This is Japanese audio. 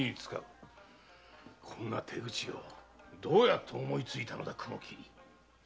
こんな手口をどうやって思いついたのだ雲切？